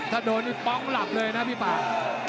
ถ้าโดนนี่ป๊อกหลับเลยนะพี่ป่า